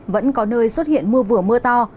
vẫn có nơi xuất hiện mưa vừa mưa to